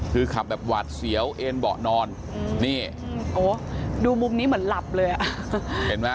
คือขับแบบหวาดเสียวเอ็นเบาะนอนนี่โอ้ดูมุมนี้เหมือนหลับเลยอ่ะเห็นไหม